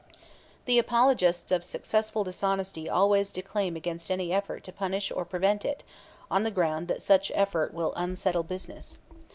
The apologists of successful dishonesty always declaim against any effort to punish or prevent it on the ground that such effort will "unsettle business."